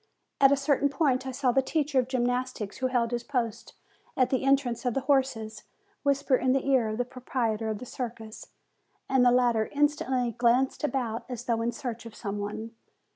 At a certain point I saw the teacher of gymnastics, who held his post at the entrance for the horses, whisper in the ear of the proprietor of the circus, and the latter instantly glanced around, as though in search of some one.